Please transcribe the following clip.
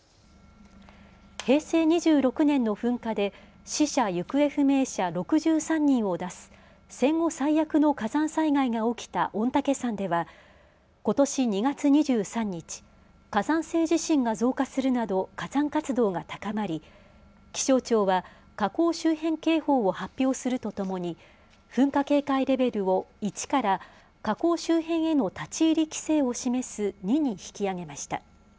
平成２６年の噴火で死者・行方不明者６３人を出す戦後最悪の火山災害が起きた御嶽山ではことし２月２３日、火山性地震が増加するなど火山活動が高まり気象庁は火口周辺警報を発表するとともに噴火警戒レベルを１から火口周辺への立ち入り規制を示す２に引き上げました。